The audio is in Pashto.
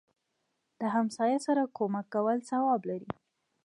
دهمسایه سره کومک کول ثواب لري